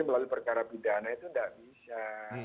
melalui perkara pidana itu tidak bisa